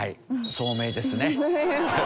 聡明ですね。